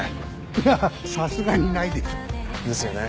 いやさすがにないでしょ。ですよね